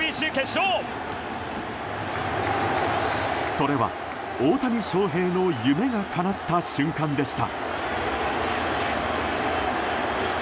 それは大谷翔平の夢がかなった瞬間でした。